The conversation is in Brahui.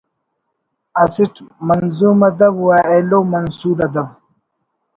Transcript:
اسٹ منظوم ادب و ایلو منثور ادب